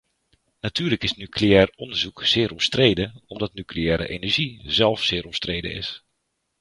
Natuurlijk is nucleair onderzoek zeer omstreden omdat nucleaire energie zelf zeer omstreden is.